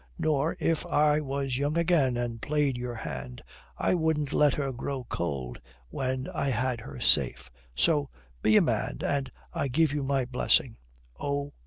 Nor if I was young again and played your hand, I wouldn't let her grow cold when I had her safe.... So be a man, and I give you my blessing. "O.